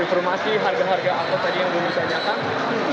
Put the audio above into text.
informasi harga harga angkot tadi yang belum ditanyakan